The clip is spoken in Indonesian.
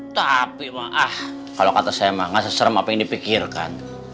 tapi maaf kalau kata saya mah gak seseram apa yang dipikirkan